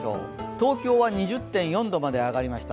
東京は２０．４度まで上がりました。